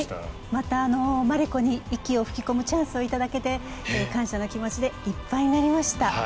またマリコに息を吹き込むチャンスを頂けて感謝の気持ちでいっぱいになりました。